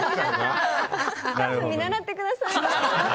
見習ってください。